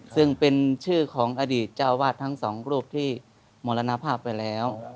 ซึ่งเป็นชื่อของอดีตเจ้าอาวาสทั้งสองรูปที่มรณภาพไปแล้ว